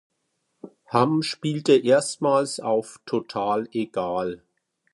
Hamm spielte erstmals auf "Total egal".